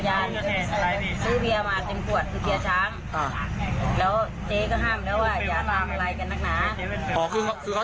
เดี๋ยวเจ๊ก็ห่ามแล้วว่ายากามอะไรกัครนักหนา